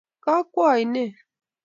Kakwo oineet.